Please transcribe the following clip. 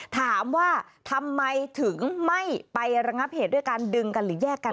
ถามว่าทำไมถึงไม่ไประงับเหตุด้วยการดึงกันหรือแยกกัน